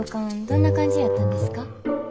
どんな感じやったんですか？